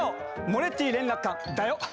モレッティ連絡官だよ。